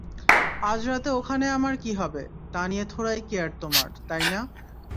আজরাতে ওখানে আমার কী হবে, তা নিয়ে থোড়াই কেয়ার তোমার, তাই না?